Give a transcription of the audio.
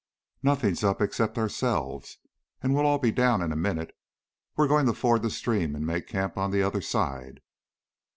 "Nothing's up, except ourselves, and we'll all be down in a minute. We're going to ford the stream and make camp on the other side."